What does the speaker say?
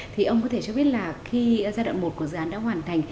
thì ông có thể cho biết là khi giai đoạn một của dự án đã hoàn thành